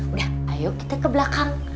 udah ayo kita ke belakang